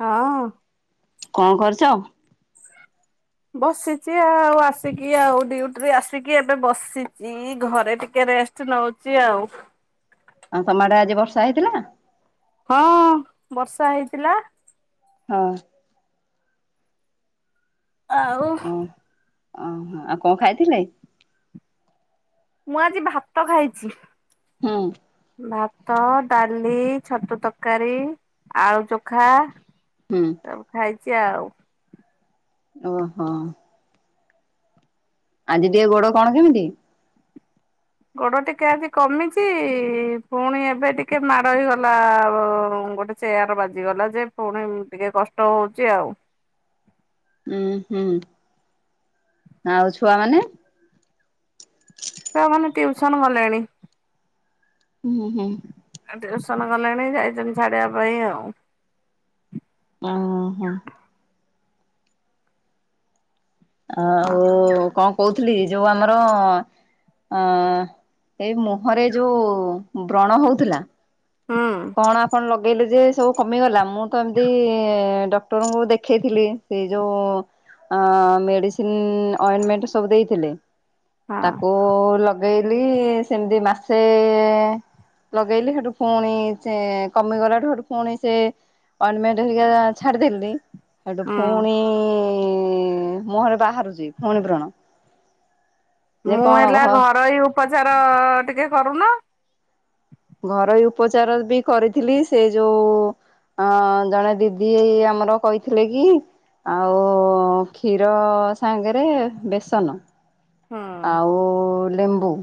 ହଁ। କଣ କରୁଛ? [inaudible] ବସିଛି ଆଉ ଆସିକି ଆଉ ଡୁଟିରେ ଆସିକି ଏବେ ବସିଛି ଘରେ ଟିକେ ରେଷ୍ଟ ସେ ନଉଛି ଆଉ। ଆଉ ତମାଡେ ଆଜି ବର୍ଷା ହେଇଥିଲା? ହଁ ବର୍ଷା ହେଇଥିଲା। ହଁ। ଆଉ ଓ ଓ ଆଉ କଣ ଖାଇଥିଲେ? ମୁଁ ଆଜି ଭାତ ଖାଇଛି। ହୁଁ। ଭାତ ଡାଲି ଛତୁ ତରକାରୀ ଆଳୁ ଚଖା। ହୁଁ। ସବୁ ଖାଇଛି ଆଉ। ଓହୋ। ଆଜି ଟିକେ ଗୋଡ କଣ କେମିତି? ଗୋଡ ଟିକେ ଆଜି କମିଛି ପୁଣି ଏବେ ଟିକେ ମାଡ ହେଇଗଲା ଆ ଗୋଟେ ଚେୟାର ବାଜିଗଲା ଯେ ପୁଣି ଟିକେ କଷ୍ଟ ହଉଛି ଆଉ। ହୁଁ ହୁଁ ଆଉ ଛୁଆ ମାନେ? ଛୁଆ ମାନେ ଟ୍ୟୁଉସନ ଗଲେଣି। ହୁଁ ହୁଁ। ଟିଉସନ ଗଲେଣି ଯାଇଛନ୍ତି ଛାଡିବା ପାଇଁ ଆଉ। ଓ ହୋ। ଆଉ କଣ କହୁଥିଲି ଯୋଉ ଆମର ଅ ଏଇ ମୁହଁରେ ଯୋଉ ବ୍ରଣ ହଉଥିଲା। ହୁଁ କଣ ଆପଣ ଲଗେଇଲେ ଯେ ସବୁ କମିଗଲା ମୁଁ ତ ଏମିତି ଡକ୍ଟରଙ୍କୁ ଦେଖେଇଥିଲି ସେ ଯୋଉ ମେଡିସିନ ଅଇଣ୍ଟମେଣ୍ଟ ସବୁ ଦେଇଥିଲେ ହଁ ତାକୁ ଓ ଲଗେଇଲି ସେମିତି ମାସେ ଲଗେଇଲି ସେଠୁ ପୁଣି ସେ କମିଗଲାଠୁ ହୋଉଠୁ ପୁଣି ସେ ଅଇଣ୍ଟିମେଣ୍ଟ ହେରିକା ଛାଡିଦେଲି। ସେଇଠୁ ହୁଁ ଫୁଣି ମୁହଁରେ ବାହାରୁଛି ଫୁଣି ବ୍ରଣ। ଯେ ମୁଁ କଣ ହେଲା ଘ ଘରୋଇ ଉପଚାର ଟିକେ କରୁନ। ଘରୋଇ ଉପଚାର ବି କରିଥିଲି ସେ ଯୋଉ ହଁ ଜଣେ ଦିଦି ଏଇ ଆମର କହିଥିଲେ କି? ଆଉ କ୍ଷୀର ସାଙ୍ଗେରେ ବେସନ ହୁଁ ଆଉ ଲେମ୍ବୁ।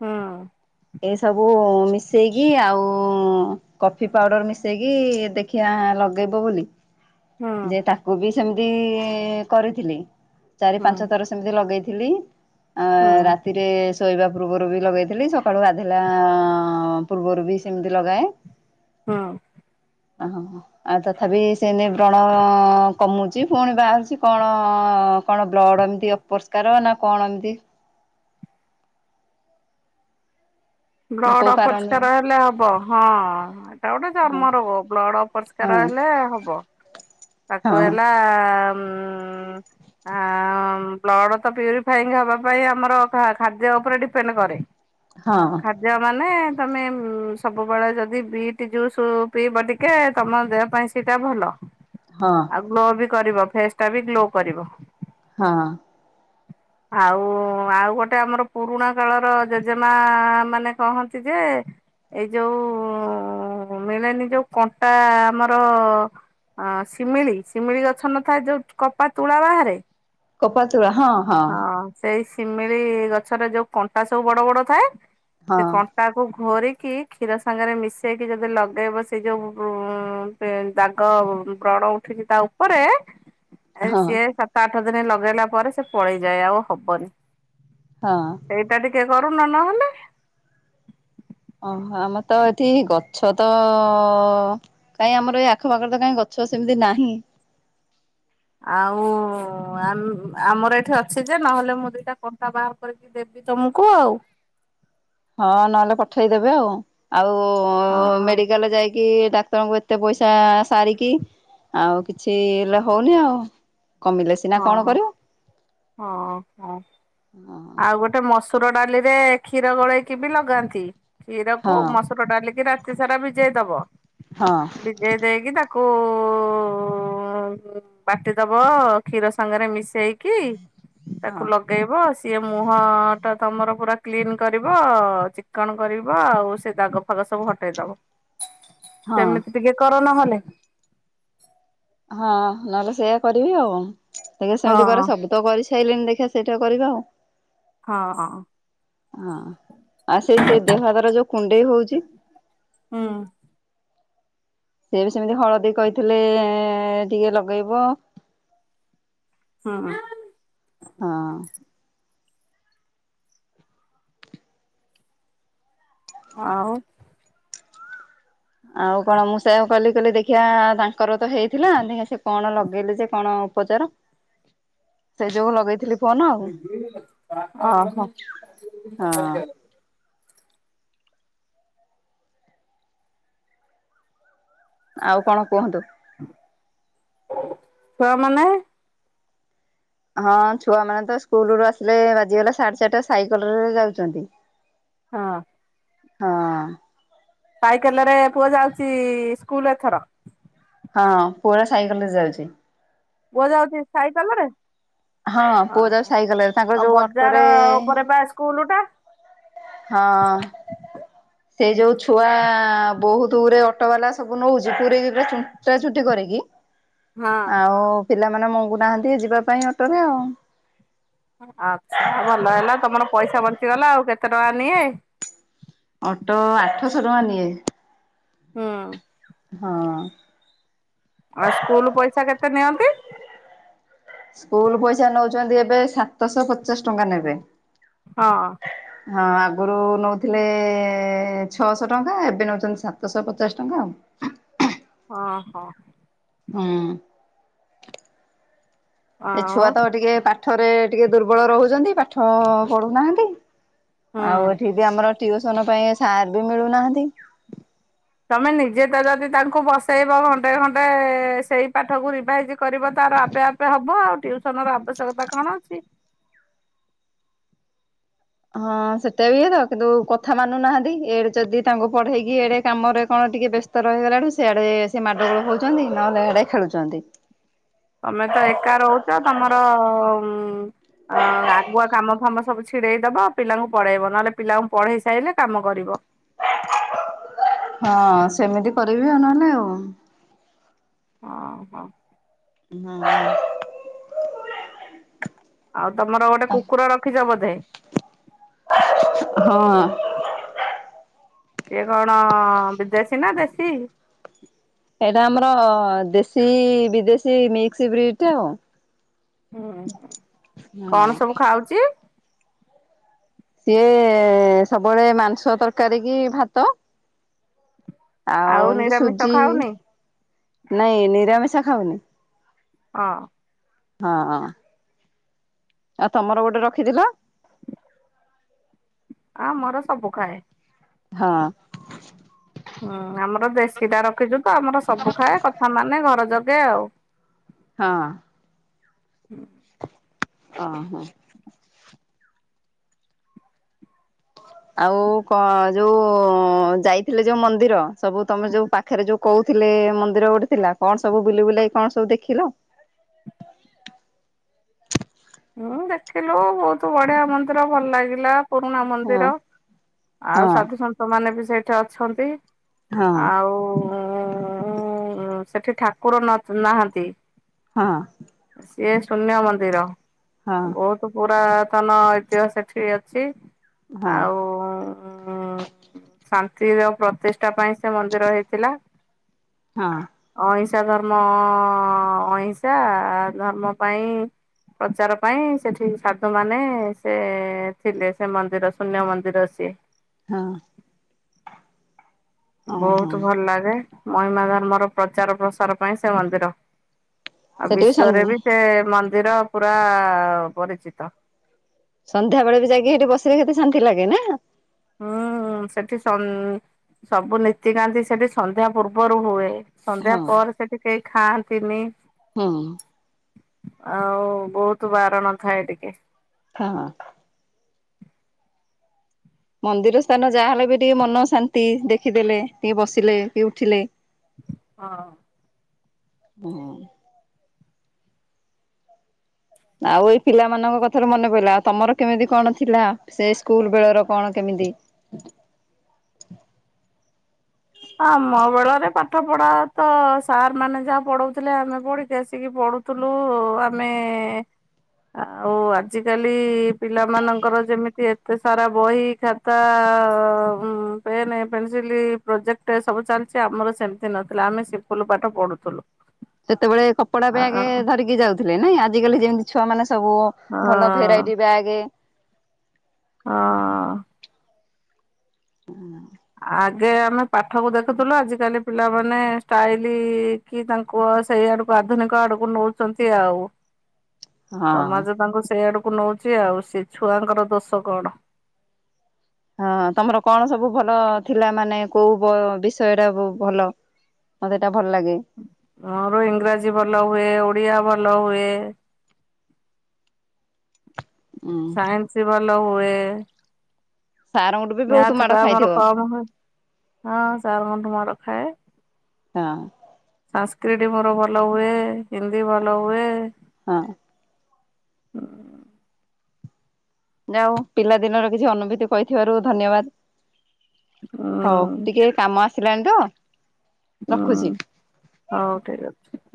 ହଁ। ଏଇସବୁ ମିଶେଇକି ଆଉ କଫି ପାଉଡର ମିଶେଇକି ଦେଖିଆ ଲଗେଇବ ବୋଲି। ହୁଁ ଯେ ତାକୁ ବି ସେମିତି କରିଥିଲି ଚାରି ହୁଁ ପାଞ୍ଚ ଥର ସେମିତି ଲଗେଇଥିଲି ଆ ହୁଁ ରାତିରେ ଶୋଇବା ପୂର୍ବରୁ ବି ଲଗେଇଥିଲି। ସ ସକାଳୁ ଗାଧେଇଲା ପୂର୍ବରୁ ବି ସେମିତି ଲଗାଏ। ହଁ। [unintelligible] ଆଉ ତଥାପି ସେନେଇ ବ୍ରଣ କମୁଚି ଫୁଣି ବାହାରୁଚି କଣ କଣ ବ୍ଲଡ଼ ଏମିତି ଅପରିଷ୍କାର ନା କଣ ଏମିତି ନା ବ୍ଲଡ କୋଉ କାରଣରୁ ଅପରିଷ୍କାର ହେଲେ ହବ ହଁ। ଏଇଟା ଗୋଟେ ହଁ ଚର୍ମ ରୋଗ ବ୍ଲଡ ଅପରିଷ୍କାର ହଁ ହେଲେ ହବ। ତାକୁ ହଁ ହେଲା ଉଁ-ଉଁ-ଉଁ। ଆଁ ଉଁ ବ୍ଲଡ଼ ତ ପ୍ୟୁରିଫାଇଙ୍ଗ ହବା ପାଇଁ ଆମର ଖାଦ୍ୟ ଉପରେ ଡିପେଣ୍ଡ କରେ। ହଁ। ଖାଦ୍ୟ ମାନେ ତମେ ସବୁବେଳେ ଯଦି ବିଟି ଜୁସୁ ପିଇବ ଟିକେ ତମ ଦେହ ପାଇଁ ସେଟା ଭଲ। ହଁ। ଆଉ ଗ୍ଲୋ ବି କରିବ, ଫେସଟା ବି ଗ୍ଲୋ କରିବ। ହଁ। ଆଉ-ଆଉ ଗୋଟେ ଆମର ପୁରୁଣା କାଳର ଜେଜେମା ମାନେ କହନ୍ତି ଯେ ଏଇ ଯୋଉ ମିଳେନି ଯୋଉ କଣ୍ଟା ଆମର ଅଁ ଶିମିଳି-ଶିମିଳି ଗଛ ନଥାଏ ଯୋଉ କପା ତୁଳା ବାହାରେ। କପା ତୁଳା ହଁ। ହଁ ସେଇ ଶିମିଳି ଗଛରେ ଯୋଉ କଣ୍ଟା ସବୁ ବଡ-ବଡ ଥାଏ, ହଁ ସେ କ ତାକୁ ଘୋରିକି କ୍ଷୀର ସାଙ୍ଗେରେ ମିଶେଇକି ଯଦି ଲଗେଇବ ସେ ଯୋଉ ଉ [unintelligible] ଦାଗ ବ୍ରଣ ଉଠିଚି ତା ଉପରେ ଏ ହଁ ସିଏ ସାତ ଆଠ ଦିନ ଲଗେଇଲା ପରେ ସେ ପଳେଇଯାଏ, ଆଉ ହବନି। ହଁ। ସେଇଟା ଟିକେ କରୁନ ନହେଲେ। ଓହୋ, ଆମର ତ ଏଠି ଗଛ ତ କାଇଁ ଆମର ଏଇ ଆଖପାଖରେ ତ କାଇଁ ଗଛ ସେମ୍ତି ନାହିଁ। ଆଉ ଆମର ଏଠି ଅଛି ଯେ, ନହେଲେ ମୁଁ ଦିଟା କଣ୍ଟା ବାହାର କରିକି ଦେବି ତମୁକୁ ଆଉ। ହଁ ନହେଲେ ପଠେଇଦବେ ଆଉ, ଆଉ ହଁ ମେଡିକାଲ୍ ଯାଇ କି ଡାକ୍ତରଙ୍କୁ ଏତେ ପଇସା ସାରିକି ଆଉ କିଛି ହେଲେ ହଉନି ଆଉ, କମିଲେ ସି ହଁ-ହଁ-ହଁ। ହଁ ଆଉ ଗୋଟେ ମସୁର ଡାଲିରେ କ୍ଷୀର ଗୋଳେଇକି ବି ଲଗାନ୍ତି, ହଁ କ୍ଷୀରକୁ ମସୁ [unintelligible] ଡାଲିକି ରାତିସାରା ଭିଜେଇ ଦବ। ହଁ। ଭିଜେଇ ଦେଇକି ତାକୁ ବାଟିଦବ। କ୍ଷୀର ସାଙ୍ଗେରେ ମିଶେଇକି ତାକୁ ଲ ଗେଇବ ଆଉ ସିଏ ମୁହଁଟା ତମର ପୁରା କ୍ଲିନ୍ କରିବ ଚିକ୍କଣ କରିବ, ଆଉ ସେ ଦାଗ ଫଗ ସବୁ ହଟେଇ ଦବ, ହଁ ସେମିତି ଟିକେ କର ନହେଲେ। ହଁ ନହେଲେ ସେଇଆ କରିବି ଆଉ [unintelligible] ହଁ ସେମିତି କରେ ସବୁ ତ କରିସାଇଲେଣି ଦେଖିଆ ସେଇଟା କରିବା ଆଉ। ହଁ। ଆଉ ସେଇ ଦେହ [unintelligible] ଯୋଉ କୁଣ୍ଡେଇ ହଉଚି। ହଁ। ସିଏ ବି ସେମିତି ହଳଦୀ କହିଥିଲେ ଟିକେ ଲଗେଇବ। ହୁଁ। ହଁ। ଆଉ ଆଉ କଣ ମୁଁ ସେୟା କଲି-କଲି ଦେଖିିଆ ତାଙ୍କର ତ ହେଇଥିଲା, ଦେଖିଆ ସେ କଣ ଲଗେଇଲେ ଯେ କଣ ଉପଚାର। ସେ ଯୋଗୁ ଲଗେଇଥିଲି ଫୋନ ଆଉ। ଓହୋ। ହଁ ଆଉ କଣ କୁହନ୍ତୁ? ଛୁଆ ମାନେ? ହଁ ଛୁଆମାନେତ ସ୍କୁଲୁ ଆସିଲେ ବାଜିଗଲା ସାଢେ ଚାରିଟା ସାଇକେଲରେ ଯାଉଛନ୍ତି। ହଁ। ହଁ। ପାଇାଇକେଲ ରେ ପୁଅ ଯାଉଛି ସ୍କୁଲ ଏଥର? ହଁ ପୁରା ସାଇକେଲ ରେ ଯାଉଛି। ପୁଅ ଯାଉଛି ସାଇକେଲ ରେ। ହଁ ପୁଅ ଯାଉଛି ସାଇକେଲରେ ତାଙ୍କର ଓହୋ ଯୋଉ ଅଟୋରେ ବଜାର ଉପରେ ପା ସ୍କୁଲ ଟା? ହଁ। ସେଇ ଯୋଉ ଛୁଆ ବହୁତ ଗରେ ଅଟୋ ବାଲା ସବୁ ନଉଛି ପୁରୀ ପା ଚଣ୍ଟା ଚୁଣ୍ଟି କରିକି। ହଁ ଆଉ ପିଲାମାନେ ମଙ୍ଗୁ ନାହାନ୍ତି ଯିବା ପାଇଁ ଅଟୋରେ ଆଉ। ଆଚ୍ଛା ଭଲ ହେଲା ତମର ପଇସା ବଞ୍ଚିଗଲା ଆଉ କେତେ ଟଙ୍କା ନିଏ? ଅଟୋ ଆଠଶହ ଟଙ୍କା ନିଏ ହୁଁ ହଁ। ଆଉ ସ୍କୁଲ ପଇସା କେତେ ନିଅନ୍ତି? ସ୍କୁଲ ପଇସା ନଉଛନ୍ତି ଏବେ ସାତଶହ ପଚାଶ ଟଙ୍କା ନେବେ। ହଁ। ହଁ ଆଗରୁ ନେଉଥିଲେ ଛଅଶହ ଟଙ୍କା ଏବେ ନଉଛନ୍ତି ସାତଶହ ପଚାଶ ଟଙ୍କା ଆଉ। ହ ହୋ। ହୁଁ ଏଚେ ଆଉ ଛୁଆ ତ ଟିକେ ପାଠରେ ଟିକେ ଦୁର୍ବଳ ରହୁଛନ୍ତି ପାଠ ପଢୁନାହାନ୍ତି। ହୁଁ ଆଉ ଏଠି ବି ଆମର ଟିଉସନ ପାଇଁ ସାର ବି ମିଳୁନାହାନ୍ତି। ତମେ ନିଜେ ତ ଯଦି ତାଙ୍କୁ ବସେଇବ ଘଣ୍ଟେ ଘଣ୍ଟେ ସେଇ ପାଠକୁ ରିଭାଇଜି କରିବ ତାର ଆପେ ଆପେ ହବ ଆଉ ଟ୍ୟୁସନ ର ଆବଶ୍ୟକତା କଣ ଅଛି। ହଁ ସେଟା ବିଇଏ ତ କିନ୍ତୁ କଥା ମାନୁ ନାହାନ୍ତି ଏଡେ ଯଦି ତାଙ୍କୁ ପଢେଇକି ଏଡେ କାମରେ କଣ ଟିକେ ବ୍ୟସ୍ତ। ବ୍ୟସ୍ତ ରହିଗଲାଠୁ ସିଆଡେ ସେଏ ମାଡ଼ଗୋଳ ହଉଛନ୍ତି ନହେଲେ ଏଆଡେ ଖେଳୁଛନ୍ତି। ତମେ ତ ଏକା ରହୁଛ ତମର ଉ ଆଗୁଆ କାମ ଫାମ ସବୁ। ଛିଡେଇ ଦବ ପିଲାଙ୍କୁ ପଢେଇବ ନହେଲେ ପିଲାଙ୍କୁ ପଢେଇ ସାରିଲେ କାମ କରିବ। ହଁ ସେମିତି କରିବି ନହେଲେ ଆଉ। ହଁ ହଁ। ହୁଁ ହୁଁ। ଆଉ ତମର ଗୋଟେ କୁକୁର ରଖିଛ ବୋଧେ? ହଁ। ଇଏ କଣ ବିଦେଶୀ ନା ଦେଶୀ? ଏଇଟା ଆମର ଦେଶୀ ବିଦେଶୀ ମିକ୍ସ ବ୍ରିଡଟା ଆଉ। ହୁଁ କଣ ସବୁ ହଁ ଖାଉଛି? ସିଏ ସବୁବେଳେ ମାଂସ ତରକାରୀ କି ଭାତ। ଆଉ ଏମତି ନିରାମିଷ ସୁଜି ଖାଉନି? ନାଇଁ ନିରାମିଷ ଖାଉନି? ହଁ। ହଁ ହଁ। ଆଉ ତମର ଗୋଟେ ରଖିଥିଲ? ଆମର ସବୁ ଖାଏ। ହଁ। ହୁଁ ଆମର ଦେଶୀ ଟା ରଖିଛୁ ତ ଆମର ସବୁ ଖାଏ କଥା ମାନେ ଘର ଜଗେ ଆଉ। ହଁ। ଅ ହ। ଆଉ କଣ ଯୋଉ ଯାଇଥିଲେ ଯୋଉ ମନ୍ଦିର ସବୁ ତମେ ଯୋଉ ପା ପାଖେରେ ଯୋଉ କହୁଥିଲେ ମନ୍ଦିର ଗୋଟେ ଥିଲା କଣ ସବୁ ବୁଲି ବୁଲାକି କଣ ସବୁ ଦେଖିଲ? ହୁଁ ଦେଖିଲୁ ବହୁତ ବଢିଆ ମନ୍ଦିର ଭଲ ଲାଗିଲା। ପୁରୁଣା ହଁ ମନ୍ଦିର ହଁ ଆଉ ସାଧୁସନ୍ଥ ମାନେ ବି ସେଇଠି ଅଛନ୍ତି। ହଁ ଆଉ ଉଁ ସେଠି ଠାକୁର ନାହାନ୍ତି। ହଁ। ସିଏ ଶୂନ୍ୟ ମନ୍ଦିର। ହଁ ବହୁତ ପୁରାତନ ଐତିହ୍ୟ ସେଠି ଅଛି ହଁ ଆଉ ଉଁ ଶାନ୍ତିର ପ୍ରତିଷ୍ଠା ପାଇଁ ସେ ମନ୍ଦିର ହେଇଥିଲା। ହଁ। ଅହିଂସା ଧର୍ମ ଅଁ ଅହିଂସା ଧର୍ମ ପାଇଁ ପ୍ରଚାର ପାଇଁ ସେଠି ସାଧୁ ମାନେ ସେ ଥିଲେ ସେ ମନ୍ଦିର ଶୂନ୍ୟ ମନ୍ଦିର ସିଏ। ହଁ। ହଁ ହଁ। ବହୁତ ଭଲ ଲାଗେ ମହିମା ଧର୍ମର ପ୍ରଚାର ପ୍ରସାର ପାଇଁ ସେ ମନ୍ଦିର। ଆଉ ବିଶ୍ଵରେ ବି ସେ ମନ୍ଦିର ପୁରା ପରିଚିତ। ସନ୍ଧ୍ୟାବେଳେ ବି ଯାଇକି ହେଠି ବସିଲେ କେତେ ଶାନ୍ତି ଲାଗେ ନା? ହୁଁ ସେଠି ସନ ସବୁ ନୀତିକାନ୍ତି ସେଠି ସନ୍ଧ୍ୟା ପୂର୍ବରୁ ହୁଏ। ହଁ। ସନ୍ଧ୍ୟା ପରେ ସେଠି କେହି ଖାଆନ୍ତିନି। ହୁଁ। ଆଉ ବହୁତ ବାରଣ ଥାଏ ଟିକେ। ହଁ। ମନ୍ଦିର ସ୍ଥାନ ଯାହାହେଲେ ବି ଟିକେ ମନ ଶାନ୍ତି ଦେଖିଦେଲେ ଟିକେ ବସିଲେ କି ଉଠିଲେ। ହଁ। ହଁ। ଆଉ ଏଇ ପିଲାମାନଙ୍କ କଥାରୁ ମନେ ପଇଲା ଆଉ ତମର କେମିତି କଣ ଥିଲା ସେ ସ୍କୁଲ ବେଳର କଣ କେମିତି? ଆମ ବେଳରେ ପାଠ ପଢା ତ ସାର୍ ମାନେ ଯାହା ପଢଉଥିଲେ ଆମେ ପଢିକି ଆସିକି ପଢୁ ଥୁଲୁ ଆମେ ଆଉ ଆଜିକାଲି ପିଲାମାନଙ୍କର ଯେମିତି ଏତେ ସାରା ବହି ଖା ତା ପେନ୍ ପେନ୍ସିଲ୍ ପ୍ରୋଜେକ୍ଟ ଗଟେ ସବୁ ଚାଲିଛି ଆମର ସେମିତି ନଥିଲା ଆମେ ସିମ୍ପୁଲ ପାଠ ପଢୁଥୁଲୁ। ସେତେବେଳେ କପଡା ବ୍ୟାଗେ ଧରିକି ଯାଉଥିଲେ ନାଇଁ ଆଜିକାଲି ଯେମିତି ଛୁଆ ମାନେ ସବୁ ଭଲ ଭେରାଇଟି ବ୍ୟାଗେ ଅ। ହଁ। ଆଗେ ଆମେ ପାଠକୁ ଦେଖୁଥିଲୁ ଆଜିକାଲି ପିଲାମାନେ ଷ୍ଟାଇଲି ଇ କି ତାଙ୍କୁ ସେଇ ଆଡକୁ ଆଧୁନିକ ଆଡକୁ ନଉଛନ୍ତି ଆଉ। [inaudible] ହଁ। ସମାଜ ତାଙ୍କୁ ସେଇଆଡକୁ ନଉଛି ଆଉ ସେ ଛୁଆଙ୍କର ଦୋଷ କଣ। ହଁ ତମର କଣ ସବୁ ଭଲ ଥିଲା ମାନେ କୋଉ ବ ବିଷୟ ଟା ଭଲ? ମୋତେ ଏଇଟା ଭଲ ଲାଗେ। - ମୋର ଇଂରାଜୀ ଭଲ ହୁଏ, ଓଡିଆ ଭଲ ହୁଏ। ହୁଁ। ସାଇନ୍ସ ଭଲ ହୁଏ। ସାରଙ୍କଠୁ ବି ବହୁତ ମ୍ୟାର୍ଥ ମାଡ ଟା ଆମର ଖାଇଥିବ? କମ ହୁଏ, ହଁ ସାରଙ୍କଠୁ ମାଡ଼ ଖାଏ। ହଁ। ସଂନ୍ସକ୍ରିଟ୍ ମୋର ଭଲ ହୁଏ ହିନ୍ଦୀ ଭଲ ହୁଏ। ହଁ। ଯା ହଉ ପିଲା ଦିନର କିଛି ଅନୁଭୂତି କହିଥିବାରୁ, ଧନ୍ୟବାଦ ହଉ ହୁଁ ଟିକେ। କାମ ଆସିଲାଣି ତ। ହୁଁ, ରଖୁଛି। ହଉ ଠିକ ଅଛି।